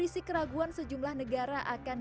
bahkan bekerja untuk mencabar bidang yang lain lain